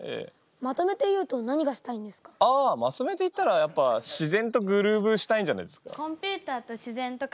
まとめて言ったらやっぱ自然とグルーヴしたいんじゃないですか？